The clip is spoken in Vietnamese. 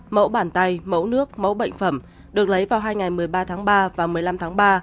mẫu bàn tay mẫu nước mẫu bệnh phẩm được lấy vào hai ngày một mươi ba tháng ba và một mươi năm tháng ba